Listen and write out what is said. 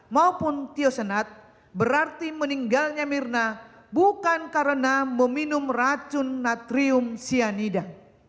maupun tiosenat berarti meninggalnya mirna bukan karena meminum racun natrium cyanida